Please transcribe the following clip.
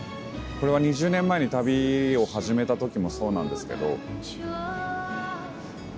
これは２０年前に旅を始めた時もそうなんですけど。